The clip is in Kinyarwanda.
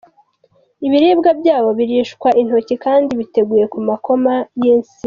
Ibiribwa byabo birishwa intoki kandi biteguye ku makoma y’insina.